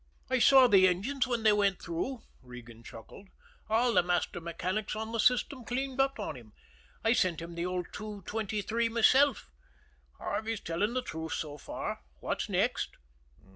"I saw the engines when they went through," Regan chuckled. "All the master mechanics on the system cleaned up on him. I sent him the old Two twenty three myself. Harvey's telling the truth so far. What's next?"